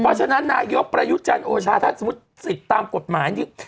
เพราะฉะนั้นนายกประยุทธ์จันทร์โอชาถ้าสมมุติสิทธิ์ตามกฎหมายนี่